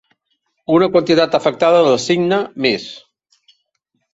Una quantitat afectada del signe més.